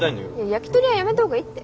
焼きとりはやめた方がいいって。